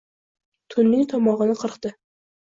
Tunning tomog’ini qirqdi